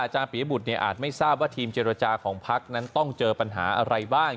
ปียบุตรอาจไม่ทราบว่าทีมเจรจาของพักนั้นต้องเจอปัญหาอะไรบ้าง